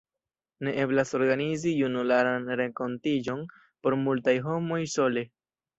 Ne eblas organizi junularan renkontiĝon por multaj homoj sole.